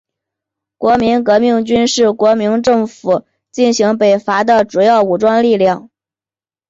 国民革命军是国民政府进行北伐的主要武装力量。